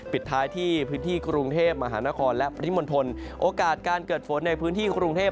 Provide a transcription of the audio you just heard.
ปิดท้ายที่พื้นที่กรุงเทพมหานครและปริมณฑลโอกาสการเกิดฝนในพื้นที่กรุงเทพ